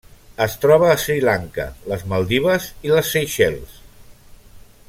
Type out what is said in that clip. Es troba a Sri Lanka, les Maldives i les Seychelles.